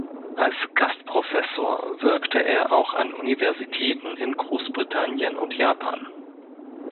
Als Gastprofessor wirkte er auch an Universitäten in Großbritannien und Japan.